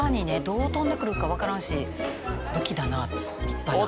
どう飛んでくるか分からんし武器だな立派な。